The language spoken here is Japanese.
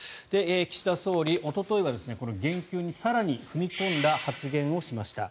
岸田総理、おとといは言及に更に踏み込んだ発言をしました。